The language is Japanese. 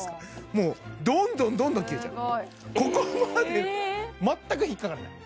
もうどんどんどんどん切れちゃうすごい！